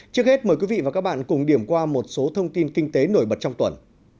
trước hết mời quý vị và các bạn cùng điểm qua một số thông tin kinh tế nổi bật trong tuần